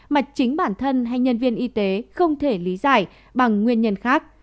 mà chính bản thân hay nhân viên y tế không thể lý giải bằng nguyên nhân khác